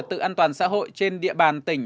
tự an toàn xã hội trên địa bàn tỉnh